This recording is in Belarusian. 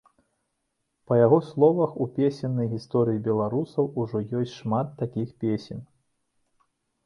Па яго словах, у песеннай гісторыі беларусаў ужо ёсць шмат такіх песень.